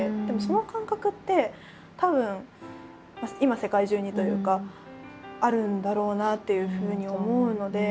でもその感覚ってたぶん今世界中にというかあるんだろうなっていうふうに思うので。